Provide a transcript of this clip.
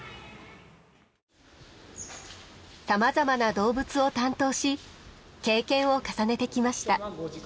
さまざまな動物を担当し経験を重ねてきました。